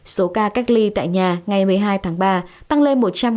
số ca cách ly tại nhà ngày một mươi hai tháng ba tăng lên một trăm linh chín mươi chín ca